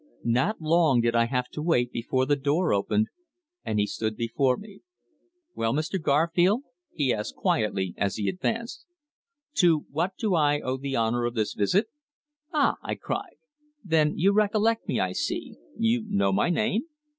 Not long did I have to wait before the door opened, and he stood before me. "Well, Mr. Garfield?" he asked quietly, as he advanced. "To what do I owe the honour of this visit?" "Ah!" I cried. "Then you recollect me, I see! You know my name?"